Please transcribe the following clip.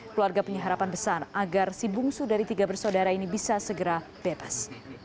keluarga punya harapan besar agar si bungsu dari tiga bersaudara ini bisa segera bebas